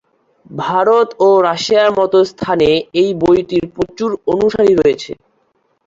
ভারত ও রাশিয়ার মত স্থানে এই বইটির প্রচুর অনুসারী রয়েছে।